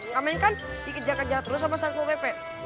ngamen kan dikejar kejar terus sama sapol pepe